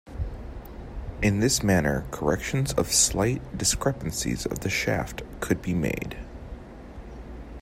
In this manner corrections of slight discrepancies of the shaft could be made.